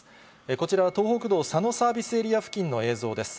こちらは東北道佐野サービスエリア付近の映像です。